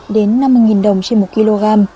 đến năm mươi đồng trên một kg